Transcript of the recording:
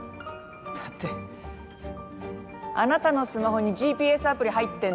だってあなたのスマホにＧＰＳアプリ入ってんのよ。